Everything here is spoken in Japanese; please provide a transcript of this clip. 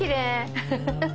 アハハハ。